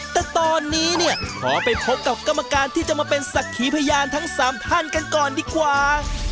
แต่ตอนนี้เนี่ยขอไปพบกับกรรมการที่จะมาเป็นศักดิ์ขีพยานทั้ง๓ท่านกันก่อนดีกว่า